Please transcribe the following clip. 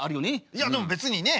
いやでも別にね